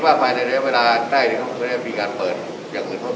และเวลาร่วมด้วยการคืนผู้